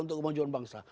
untuk kemajuan bangsa